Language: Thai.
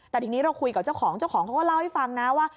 แต่ทีนี้เราคุยกับเจ้าของเจ้าของเขาก็เล่าให้ฟังนะว่า